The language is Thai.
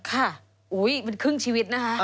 ค่ะอุ้ยมันครึ่งชีวิตนะฮะ